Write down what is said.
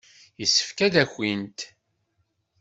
Yessefk ad d-akint.